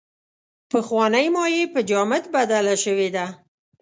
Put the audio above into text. پخوانۍ مایع په جامد بدله شوې ده.